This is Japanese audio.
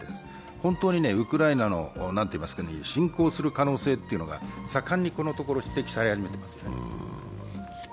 本当にウクライナの侵攻する可能性というのが、盛んにこのところ指摘され始めています。